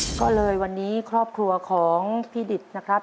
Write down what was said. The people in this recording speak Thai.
ก็เลยวันนี้ครอบครัวของพี่ดิตนะครับ